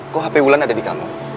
kok hp wulan ada di kanal